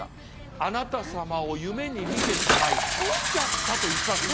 あなた様を夢に見てしまい来ちゃった」と言ったんです。